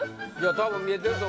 多分見えてると